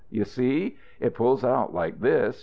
You see? It pulls out like this.